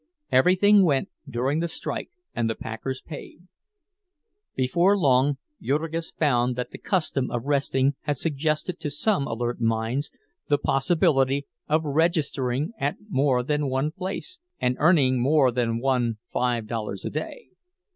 Everything went, during the strike, and the packers paid. Before long Jurgis found that the custom of resting had suggested to some alert minds the possibility of registering at more than one place and earning more than one five dollars a day.